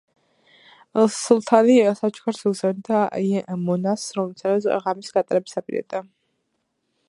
სულთანი საჩუქარს უგზავნიდა იმ მონას, რომელთანაც ღამის გატარებას აპირებდა.